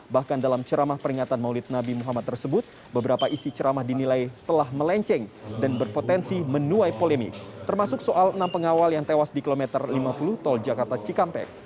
bahkan dalam ceramah peringatan maulid nabi muhammad tersebut beberapa isi ceramah dinilai telah melenceng dan berpotensi menuai polemik termasuk soal enam pengawal yang tewas di kilometer lima puluh tol jakarta cikampek